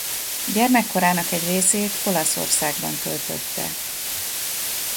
Gyermekkorának egy részét Olaszországban töltötte.